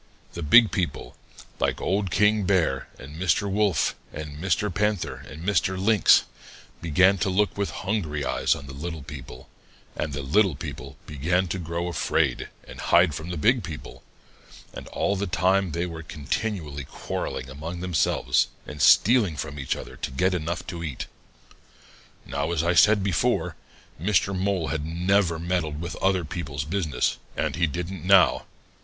The big people, like Old King Bear and Mr. Wolf and Mr. Panther and Mr. Lynx, began to look with hungry eyes on the little people, and the little people began to grow afraid and hide from the big people, and all the time they were continually quarreling among themselves and stealing from each other to get enough to eat. "Now, as I said before, Mr. Mole never had meddled with other people's business, and he didn't now.